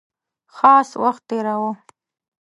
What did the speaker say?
خاص وخت تېراوه.